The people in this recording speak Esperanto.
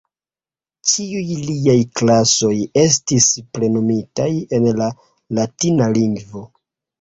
Ĉiuj liaj klasoj estis plenumitaj en la latina lingvo.